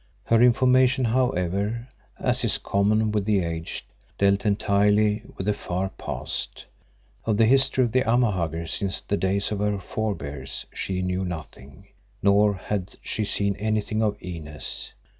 Her information, however, as is common with the aged, dealt entirely with the far past; of the history of the Amahagger since the days of her forebears she knew nothing, nor had she seen anything of Inez.